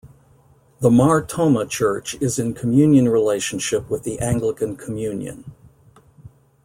The Mar Thoma Church is in communion relationship with the Anglican Communion.